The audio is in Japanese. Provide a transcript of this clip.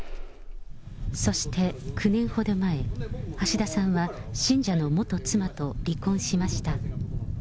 そして、９年ほど前、橋田さんは信者の元妻と離婚しました。